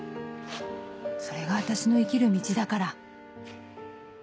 それが私の生きる道だから」。